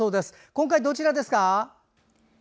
今回どちらですか？